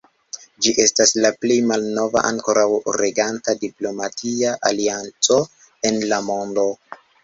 Ĝi estas la plej malnova ankoraŭ reganta diplomatia alianco en la mondo.